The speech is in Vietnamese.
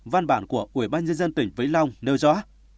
văn bản của ủy ban nhân dân tỉnh vĩnh long nêu rõ